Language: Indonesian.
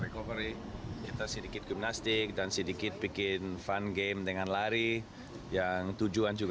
kita mau tanam tetap